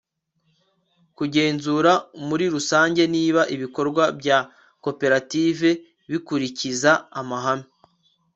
kugenzura muri rusange niba ibikorwa bya koperative bikurikiza amahame